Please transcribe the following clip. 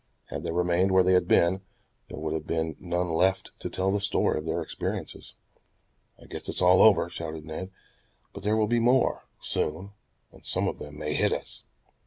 Had they remained where they had been, there would have been none left to tell the story of their experiences. "I guess it's all over," shouted Ned. "But, there will be more, soon, and some of them may hit us."